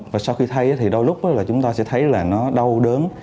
và sau khi thay thì đôi lúc chúng ta sẽ thấy là nó đau đớn